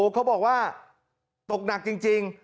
เขาบอกว่าตกหนักจริง